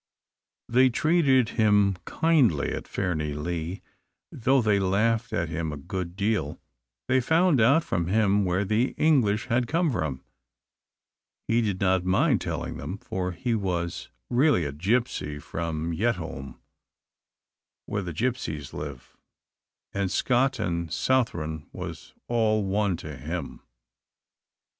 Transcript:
They treated him kindly at Fairnilee, though they laughed at him a good deal. They found out from him where the English had come from. He did not mind telling them, for he was really a gipsy from Yetholm, where the gipsies live, and Scot or Southron was all one to him.